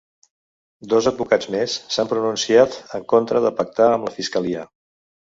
Dos advocats més s’han pronunciat en contra de pactar amb la fiscalia.